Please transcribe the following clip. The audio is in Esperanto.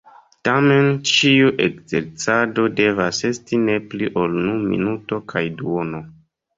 Tamen ĉiu ekzercado devas esti ne pli ol unu minuto kaj duono.